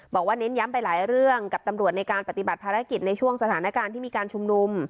เน้นย้ำไปหลายเรื่องกับตำรวจในการปฏิบัติภารกิจในช่วงสถานการณ์ที่มีการชุมนุม